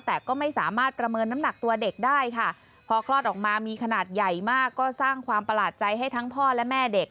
แต่ก็ไม่สามารถประเมินน้ำหนักตัวเด็กได้ค่ะพอคลอดออกมามีขนาดใหญ่มากก็สร้างความประหลาดใจให้ทั้งพ่อและแม่เด็ก